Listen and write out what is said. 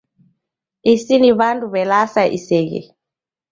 Isi ni w'andu w'e lasa iseghe